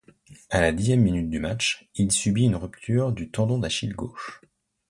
À la dixième minute du match, il subit une rupture du tendon d'Achille gauche.